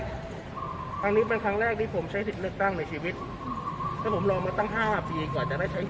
ครั้งนี้เป็นครั้งแรกที่ผมใช้สิทธิ์เลือกตั้งในชีวิตแล้วผมรอมาตั้งห้าปีกว่าจะได้ใช้